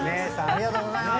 ありがとうございます。